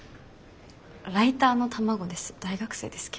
ライターの卵です。